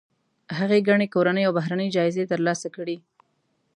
هغې ګڼې کورنۍ او بهرنۍ جایزې ترلاسه کړي.